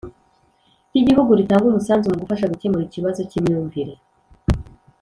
ry’igihugu ritanga umusanzu mu gufasha gukemura ikibazo k’imyumvire